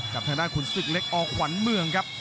กับทางด้านขุนศึกเล็กอขวัญเมืองครับ